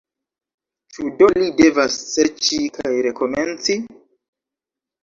Ĉu do li devas serĉi kaj rekomenci?